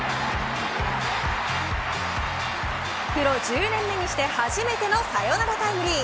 プロ１０年目にして初めてのサヨナラタイムリー。